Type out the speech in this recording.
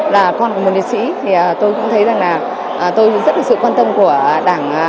là con của một liệt sĩ tôi cũng thấy rằng là tôi rất là sự quan tâm của đảng